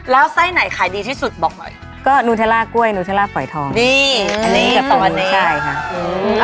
แล้วไส้ไหนขายดีที่สุดบอกหน่อยก็นูเทล่ากล้วยนูเทล่าฝอยทองนี่อันนี้กับตะวันเองใช่ค่ะอืม